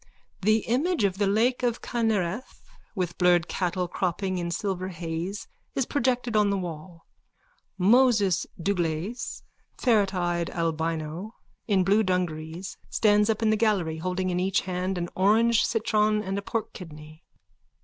_(The image of the lake of Kinnereth with blurred cattle cropping in silver haze is projected on the wall. Moses Dlugacz, ferreteyed albino, in blue dungarees, stands up in the gallery, holding in each hand an orange citron and a pork kidney.)